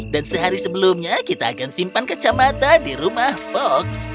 dan sehari sebelumnya kita akan simpan kecamata di rumah fox